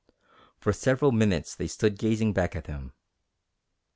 For several minutes they stood gazing back at him.